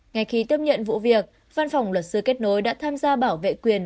ngay khi tiếp nhận vụ việc văn phòng luật sư kết nối đã tham gia bảo vệ quyền